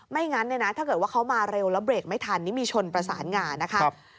งั้นเนี่ยนะถ้าเกิดว่าเขามาเร็วแล้วเบรกไม่ทันนี่มีชนประสานงานะคะ